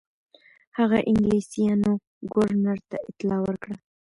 هغه انګلیسیانو ګورنر ته اطلاع ورکړه.